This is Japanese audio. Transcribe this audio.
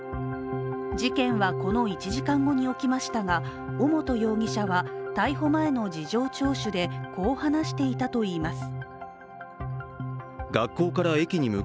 事件はこの１時間後に起きましたが尾本容疑者は、逮捕前の事情聴取でこう話していたといいます。